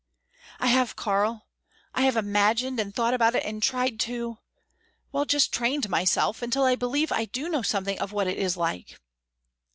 "I have, Karl. I have imagined and thought about it and tried to well, just trained myself, until I believe I do know something of what it is like."